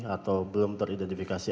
atau belum teridentifikasi